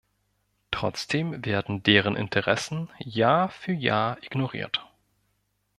Trotzdem werden deren Interessen Jahr für Jahr ignoriert.